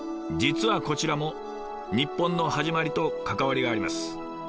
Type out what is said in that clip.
実はこちらも日本の始まりと関わりがあります。